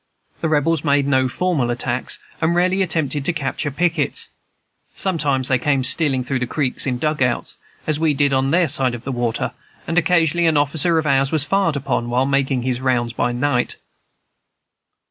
The Rebels made no formal attacks, and rarely attempted to capture pickets. Sometimes they came stealing through the creeks in "dugouts," as we did on their side of the water, and occasionally an officer of ours was fired upon while making his rounds by night.